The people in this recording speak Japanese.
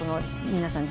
皆さん。